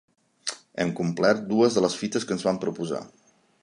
Hem complert dues de les fites que ens vam proposar.